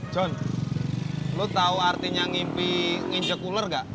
john lo tau artinya ngimpi nginjek ular gak